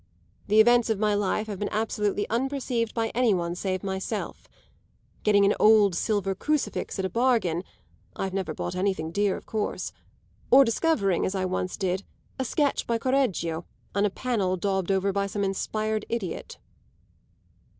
The events of my life have been absolutely unperceived by any one save myself; getting an old silver crucifix at a bargain (I've never bought anything dear, of course), or discovering, as I once did, a sketch by Correggio on a panel daubed over by some inspired idiot."